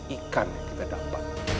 ikan yang tidak dapat